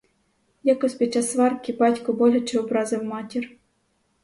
Якось під час сварки батько боляче образив матір.